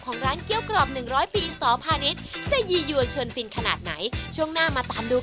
ขอบคุณครับ